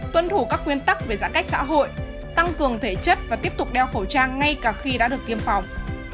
tuân thủ các quy tắc về giãn cách xã hội tăng cường thể chất và tiếp tục đeo khẩu trang ngay cả khi đã được tiêm phòng